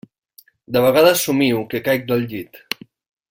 De vegades somio que caic del llit.